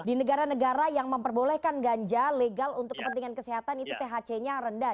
di negara negara yang memperbolehkan ganja legal untuk kepentingan kesehatan itu thc nya rendah